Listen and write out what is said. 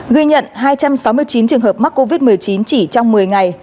ghi nhận hai trăm sáu mươi chín trường hợp mắc covid một mươi chín chỉ trong một mươi ngày